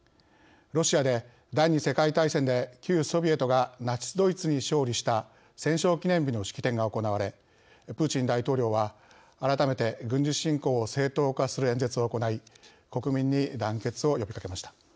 ロシアで第２次世界大戦で旧ソビエトがナチスドイツに勝利した「戦勝記念日」の式典が行われプーチン大統領は改めて軍事侵攻を正当化する演説を行い国民に団結を呼びかけました。